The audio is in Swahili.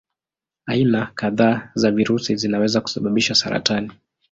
Aina kadhaa za virusi zinaweza kusababisha saratani.